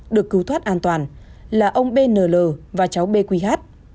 được cứu thoát an toàn là ông bn và cháu bqh